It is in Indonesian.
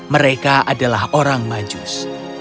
mereka adalah orang majus